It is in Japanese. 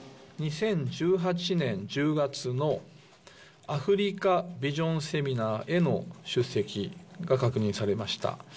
２０１８年１０月のアフリカビジョンセミナーへの出席が確認されました。